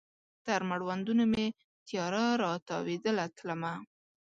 تر مړوندونو مې تیاره را تاویدله تلمه